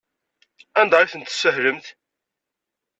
Anda ay tent-tessahlemt?